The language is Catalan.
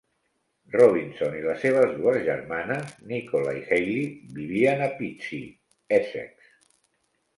Robinson i les seves dues germanes, Nicola i Hayley, vivien a Pitsea, Essex.